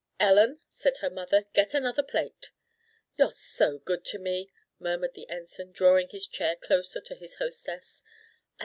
"Ellen," said her mother, "get another plate." "You're so good to me," murmured the Ensign, drawing his chair closer to his hostess.